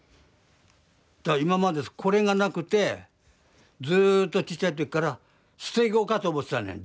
今までこれがなくてずっとちっちゃいときから捨て子かと思ってたのよ